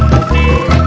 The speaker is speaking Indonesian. yang dulu nyiksa kita